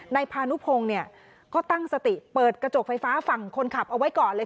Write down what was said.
พานุพงศ์เนี่ยก็ตั้งสติเปิดกระจกไฟฟ้าฝั่งคนขับเอาไว้ก่อนเลย